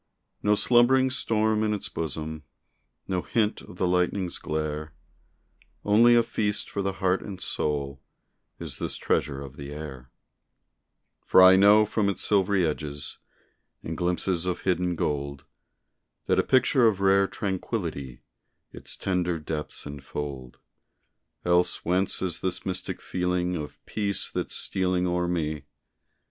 No slumbering storm in its bosom, No hint of the lightning's glare, Only a feast for the heart and soul Is this treasure of the air; For I know from its silvery edges, And glimpses of hidden gold, That a picture of rare tranquility Its tender depths enfold. Else whence is this mystic feeling Of peace that's stealing o'er me?